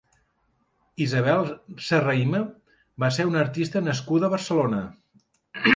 Isabel Serrahima va ser una artista nascuda a Barcelona.